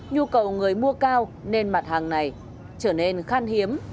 nhu cầu người mua cao nên mặt hàng này trở nên khan hiếm